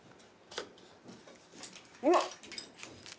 うわっ。